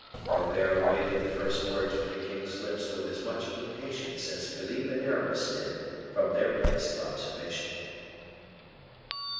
Colbert awaited the first words from the king's lips with as much impatience as Philippe and Aramis did from their place of observation.